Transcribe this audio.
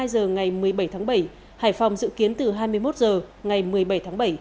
từ một mươi hai h ngày một mươi bảy tháng bảy hải phòng dự kiến từ hai mươi một h ngày một mươi bảy tháng bảy